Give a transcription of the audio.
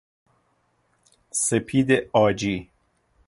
سپید عاجی